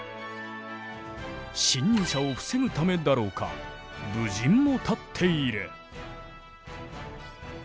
侵入者を防ぐためだろうか武人も立っている。